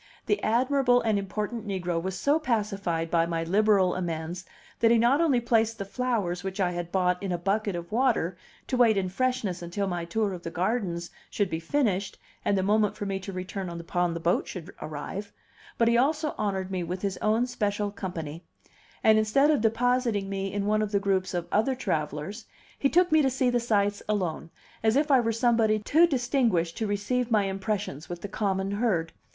The admirable and important negro was so pacified by my liberal amends that he not only placed the flowers which I had bought in a bucket of water to wait in freshness until my tour of the gardens should be finished and the moment for me to return upon the boat should arrive, but he also honored me with his own special company; and instead of depositing me in one of the groups of other travellers, he took me to see the sights alone, as if I were somebody too distinguished to receive my impressions with the common herd.